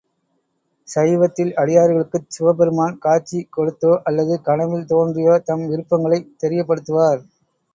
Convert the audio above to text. சைவத்தில் அடியார்களுக்குச் சிவபெருமான் காட்சி கொடுத்தோ அல்லது கனவில் தோன்றியோ தம் விருப்பங்களைத் தெரியப்படுத்துவார்.